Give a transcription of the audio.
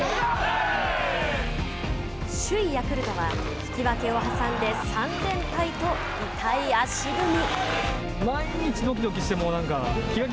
首位ヤクルトは引き分けを挟んで３連敗と痛い足踏み。